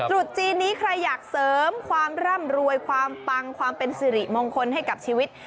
จุดจีนนี้ใครอยากเสริมความร่ำรวยความปังความเป็นสิริมงคลให้กับชีวิต